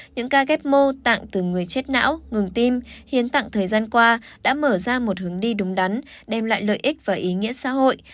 những ca ghép mô tạng từ người chết não ngừng tim hiến tặng thời gian qua đã mở ra một hướng đi đúng đắn đem lại lợi ích và ý nghĩa xã hội